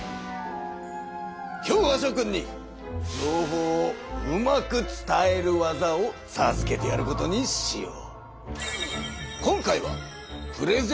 今日はしょ君に情報をうまく伝える技をさずけてやることにしよう。